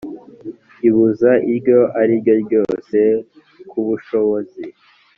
ibuza iryo ari ryo ryose ku bushobozi